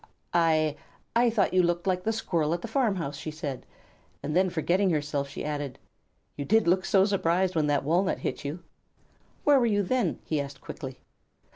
"I I thought you looked like the Squirrel at the farmhouse," she said; and then forgetting herself, she added, "You did look so surprised when that walnut hit you." "Where were you then?" he asked quickly.